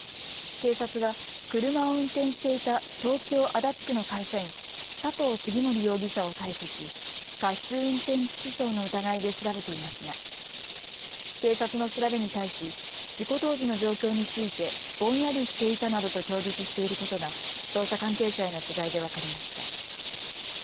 警察は車を運転していた東京足立区の会社員、佐藤次守容疑者を逮捕し過失運転致死傷の疑いで調べていますが警察の調べに対し事故当時の状況についてぼんやりしていたなどと供述していることが捜査関係者への取材で分かりました。